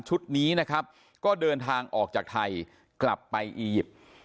นี้นะครับก็เดินทางออกจากไทยกลับไปอียิปต์